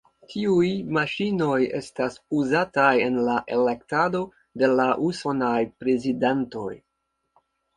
Tiuj maŝinoj estas uzataj en la elektado de la usonaj prezidantoj.